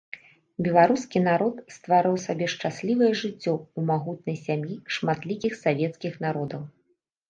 Беларускі парод стварыў сабе шчаслівае жыццё ў магутнай сям'і шматлікіх савецкіх народаў.